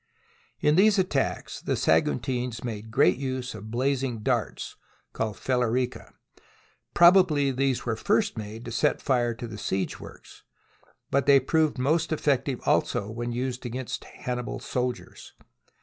In these attacks the Saguntines made great use of blazing darts, called " falerica." Probably these were first made to set fire to the siege works, but they proved most effective also when used against Hannibal's soldiers.